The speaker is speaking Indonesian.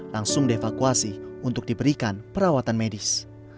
langsung dievakuasi untuk diberikan perawatan medis